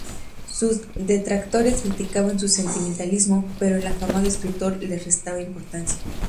Sus detractores criticaban su sentimentalismo, pero el afamado escritor les restaba importancia.